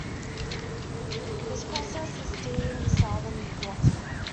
This process is termed Southern blotting.